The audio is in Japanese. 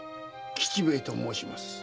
吉兵衛と申します。